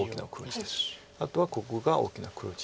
あとはここが大きな黒地。